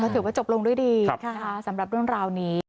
ถือว่าจบลงด้วยดีสำหรับเรื่องราวนี้